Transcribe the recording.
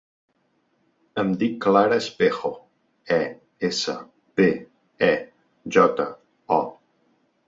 Em dic Clara Espejo: e, essa, pe, e, jota, o.